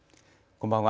こんばんは。